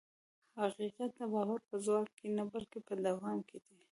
حقیقت د باور په ځواک کې نه، بلکې په دوام کې دی.